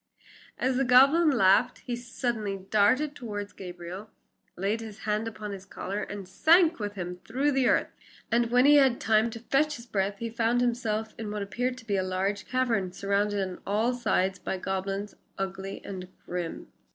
ho!" As the goblin laughed he suddenly darted toward Gabriel, laid his hand upon his collar, and sank with him through the earth. And when he had had time to fetch his breath he found himself in what appeared to be a large cavern, surrounded on all sides by goblins ugly and grim.